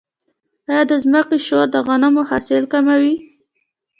آیا د ځمکې شور د غنمو حاصل کموي؟